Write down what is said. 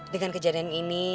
dengan kejadian ini